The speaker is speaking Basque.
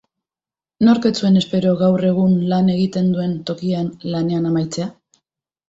Nork ez zuen espero gaur egun lan egiten duen tokian lanean amaitzea?